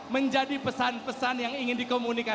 menjadi pesan pesan yang ingin di komunikasi